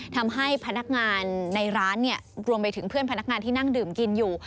ทำให้พนักงานในร้านรวมไปถึงเพื่อนพนักงานที่นั่งดื่มกินอยู่